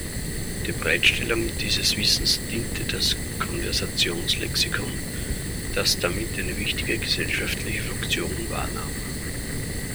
Der Bereitstellung dieses Wissens diente das Konversationslexikon, das damit eine wichtige gesellschaftliche Funktion wahrnahm.